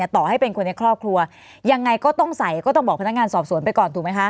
ต่อให้เป็นคนในครอบครัวยังไงก็ต้องใส่ก็ต้องบอกพนักงานสอบสวนไปก่อนถูกไหมคะ